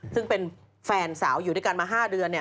ซึ่งเป็นแฟนสาวอยู่ด้วยกันมา๕เดือน